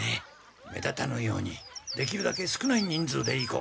目立たぬようにできるだけ少ない人数で行こう。